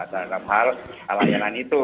dalam hal layanan itu